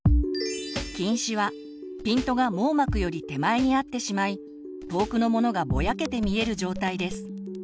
近視はピントが網膜より手前に合ってしまい遠くのものがぼやけて見える状態です。